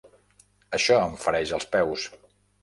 Això em fereix els peus.